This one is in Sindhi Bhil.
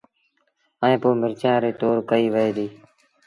ائيٚݩ پو مرچآݩ ريٚ تور ڪئيٚ وهي ديٚ